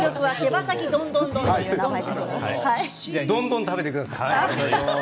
どんどん食べてください。